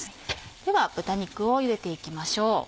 では豚肉をゆでていきましょう。